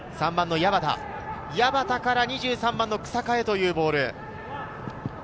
矢端から２３番の日下へというボール。